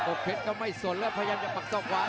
ประเภทมัยยังอย่างปักส่วนขวา